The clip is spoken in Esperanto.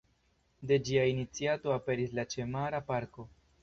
De ĝia iniciato aperis la ĉemara parko.